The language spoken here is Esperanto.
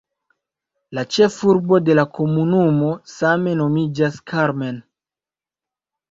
La ĉefurbo de la komunumo same nomiĝas "Carmen".